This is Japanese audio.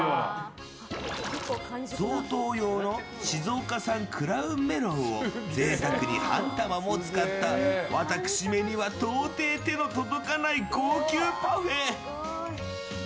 贈答用の静岡産クラウンメロンを贅沢に半玉も使った私めには到底、手の届かない高級パフェ。